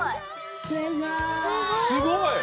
すごい！